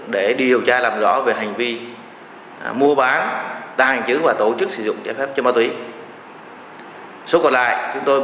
để điều tra làm rõ về hành vi mua bán tăng hành chứng